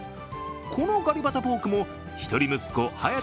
このガリバタポークも一人息子、巴弥